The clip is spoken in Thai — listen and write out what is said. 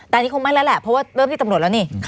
แต่อันนี้คงไม่แล้วแหละเพราะว่าเริ่มที่ตำรวจแล้วนี่